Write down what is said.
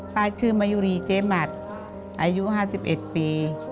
ป้าชื่อมายุรีเจมัติอายุ๕๑ปี